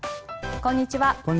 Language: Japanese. こんにちは。